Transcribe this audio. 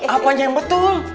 apaan yang betul